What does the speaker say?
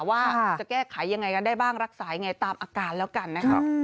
ว่าจะแก้ไขยังไงกันได้บ้างรักษายังไงตามอาการแล้วกันนะครับ